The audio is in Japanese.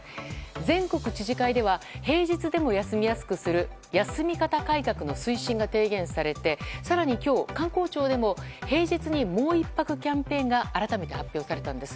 全国知事会では平日でも休みやすくする休み方改革の推進が提言されて更に今日、観光庁でも「平日にもう一泊」キャンペーンが改めて発表されたんです。